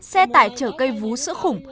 xe tải chở cây vú sữa khủng